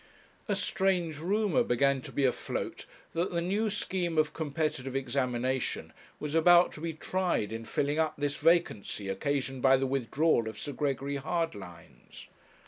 A strange rumour began to be afloat that the new scheme of competitive examination was about to be tried in filling up this vacancy, occasioned by the withdrawal of Sir Gregory Hardlines.